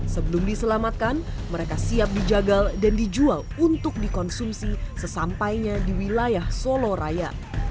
sebelum diselamatkan mereka siap dijagal dan dijual untuk dikonsumsi sesampainya di wilayah solo raya